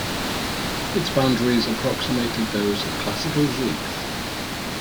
Its boundaries approximated those of classical Zyx.